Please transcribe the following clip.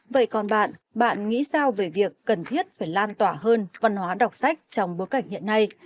vậy còn bạn bạn nghĩ sao về việc cần thiết phải lan tỏa hơn văn hóa đọc sách trong bối cảnh hiện nay